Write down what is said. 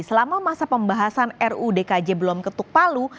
selama masa pembahasan ruu dkj belum ketuk palu